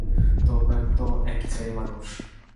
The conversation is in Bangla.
তোমরা তো একই শ্রেনীর মানুষ।